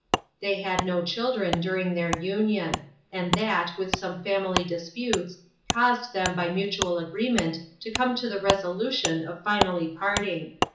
They had no children during their union, and that, with some family disputes, caused them by mutual agreement to come to the resolution of finally parting.